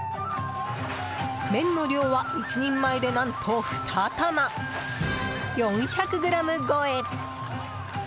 麺の量は１人前で何と２玉、４００ｇ超え。